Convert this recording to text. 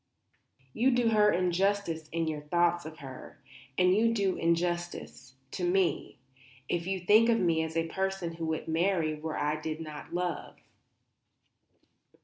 You do her injustice in your thoughts of her; and you do me injustice, too, if you think of me as a person who would marry where I did not love."